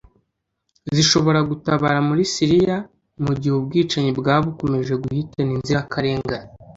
zishobora gutabara muri Syria mu gihe ubwicanyi bwaba bukomeje guhitana inzirakarengane